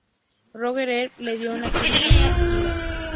Roger Ebert le dio una crítica positiva.